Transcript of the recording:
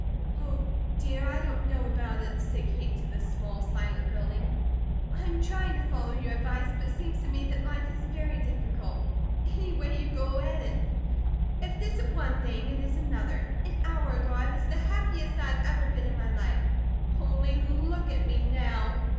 "Oh, dear, I don't know about it," said Kate to the small, silent building. "I am trying to follow your advice, but it seems to me that life is very difficult, any way you go at it. If it isn't one thing, it is another. An hour ago I was the happiest I have ever been in my life; only look at me now!